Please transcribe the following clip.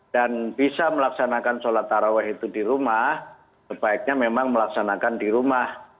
dan bisa melaksanakan sholat tarwah itu di rumah sebaiknya memang melaksanakan di rumah